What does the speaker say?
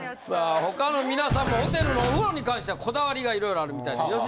さあ他の皆さんもホテルのお風呂に関してはこだわりがいろいろあるみたいで。